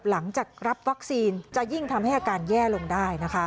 หลังจากรับวัคซีนจะยิ่งทำให้อาการแย่ลงได้